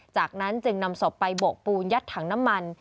จากนั้นจึงนำศพไปโบกปูนยัดถังน้ำมัน